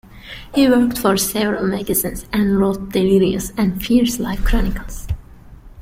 He worked for several magazines and wrote delirious and fierce life-chronicles.